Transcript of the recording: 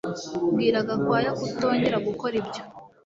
Bwira Gakwaya kutongera gukora ibyo